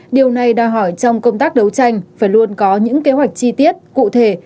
điều này đòi hỏi trong công tác đấu tranh phải luôn có những kế hoạch chi tiết cụ thể